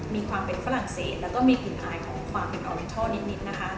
มีความเป็นฝรั่งเศสแล้วก็มีกลิ่นอายของความเป็นออรินทอลนิดนะคะ